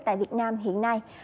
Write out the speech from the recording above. tại việt nam hiện nay